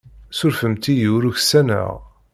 Surfemt-iyi ur uksaneɣ.